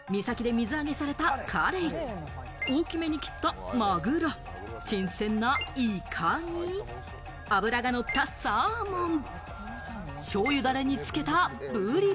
三崎で水揚げされたカレイ、大きめに切ったマグロ、新鮮なイカに脂がのったサーモン、しょうゆダレにつけたブリ。